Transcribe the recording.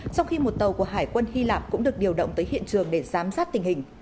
trong khi một tàu của hải quân hy lạp cũng được điều động tới hiện trường để giám sát tình hình